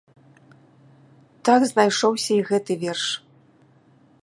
Так знайшоўся і гэты верш.